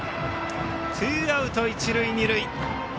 ツーアウト、一塁二塁。